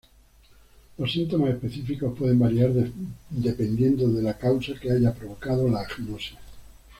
Los síntomas específicos pueden variar dependiendo de la causa que haya provocado la agnosia.